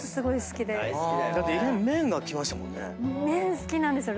だって麺きましたもんね。